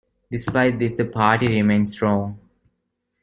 Despite this, the party remained strong.